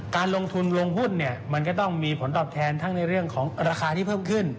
การลงทุนลงหุ้นเนี่ยมันก็ต้องมีผลตอบแทนทั้งในเรื่องของราคาที่เพิ่มขึ้น